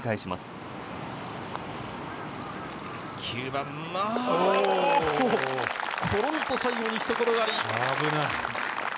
ころんと最後にひと転がり。